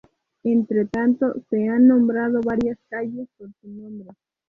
Entre tanto, se han nombrado varias calles con su nombre.